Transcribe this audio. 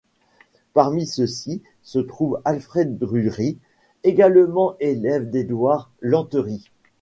Parmi ceux-ci se trouve Alfred Drury, également élève d'Édouard Lanteri.